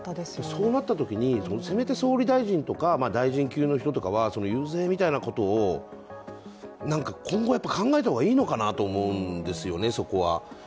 そうなったときにせめて総理大臣とか大臣級の人たちは遊説みたいなことを何か今後考えた方がいいのかなと思うんですよね、そこは。